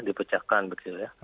dipecahkan begitu ya